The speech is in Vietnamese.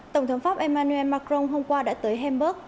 tổng thống pháp emmanuel macron hôm qua đã tới hamburg